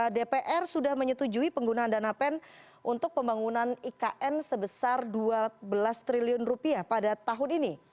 dpr sudah menyetujui penggunaan dana pen untuk pembangunan ikn sebesar dua belas triliun rupiah pada tahun ini